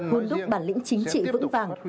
hôn đúc bản lĩnh chính trị vững vàng